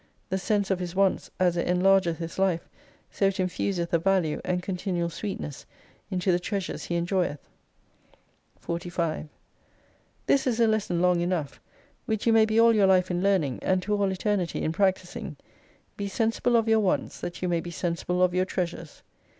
The sense of His wants, as it enlargeth His life, so it iufuseth a value, and continual sweetness into the treasures He enjoyeth. 4 5 This is a lesson long enough : which you may be all your life in learning, and to all Eternity in practising. Be sensible of your wants, that you may be sensible of your treasures.